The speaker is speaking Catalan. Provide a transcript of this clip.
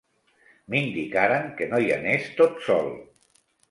M'indicaren que no hi anés tot sol.